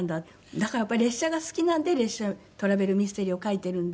だからやっぱり「列車が好きなんで『トラベルミステリー』を書いているんで」